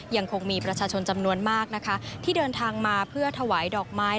ยังคงมีประชาชนจำนวนมากนะคะที่เดินทางมาเพื่อถวายดอกไม้